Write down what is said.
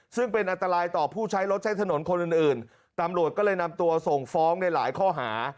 ซึ่งเป็นอันตรายต่อผู้ใช้รถใช้ถนนคนอื่นอื่นตำรวจก็เลยนำตัวส่งฟ้องในหลายข้อหา